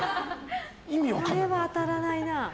これは当たらないな。